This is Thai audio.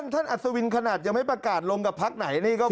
ท่านอัศวินขนาดยังไม่ประกาศลงกับภักดิ์ไหนนี่ก็